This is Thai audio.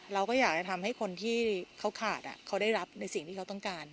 เราก็อยากได้ทำให้คนที่เค้าขาด่ากล้ายรับในสิ่งที่เค้าต้องการ